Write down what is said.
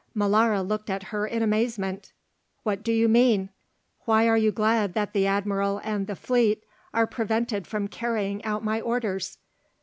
Molara looked at her in amazement. "What do you mean? Why are you glad that the Admiral and the fleet are prevented from carrying out my orders?"